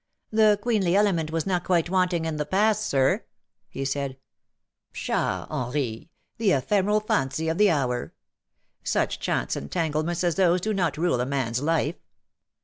" The queenly element was not quite wanting in the past, Sir,'' he said. " Pshaw, Henri, the ephemeral fancy of the hour. Such chance entanglements as those do not rule a man's life."